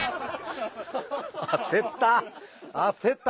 焦った。